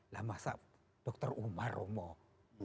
lah masa dokter umar mau